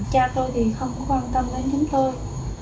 cha tôi thì không có quan tâm đến chúng tôi